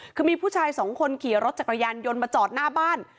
คือมีผู้ชายสองคนขี่รถจักรยานยนต์มาจอดหน้าบ้าน